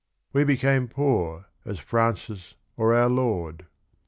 "We became poor as Francis or our Lord."